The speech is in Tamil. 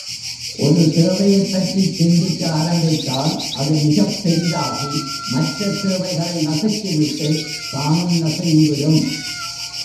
ஒரு தேவையைப் பற்றிச் சிந்திக்க ஆரம்பித்தால், அது மிகப் பெரிதாகி, மற்றத் தேவை களை நசுக்கிவிட்டுத் தானும் நசுங்கிவிடும்.